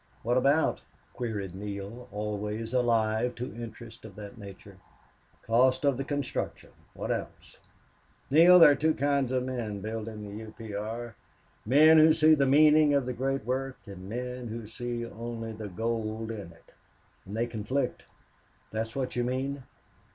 "What about?" queried Neale, always alive to interest of that nature. "Cost of the construction. What else? Neale, there are two kinds of men building the U. P. R. men who see the meaning of the great work, and the men who see only the gold in it." "And they conflict!... That's what you mean?"